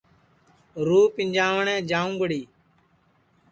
رُوح پِنجانٚوٹؔیں جاؤنٚگڑی